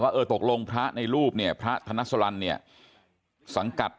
เออตกลงพระในรูปเนี่ยพระธนสลันเนี่ยสังกัด